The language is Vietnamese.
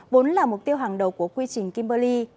vốn là mục tiêu hàng đầu của quy trình kimberley